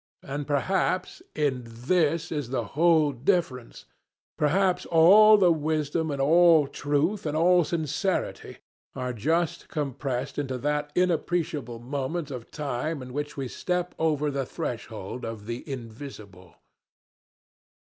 And perhaps in this is the whole difference; perhaps all the wisdom, and all truth, and all sincerity, are just compressed into that inappreciable moment of time in which we step over the threshold of the invisible.